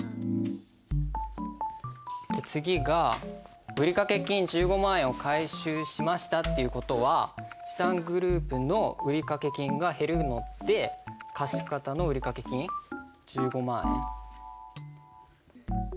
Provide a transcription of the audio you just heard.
次が「売掛金１５万円を回収しました」っていう事は資産グループの売掛金が減るので貸方の売掛金１５万円。